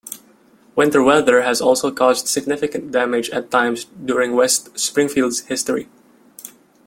Winter weather has also caused significant damage at times during West Springfield's history.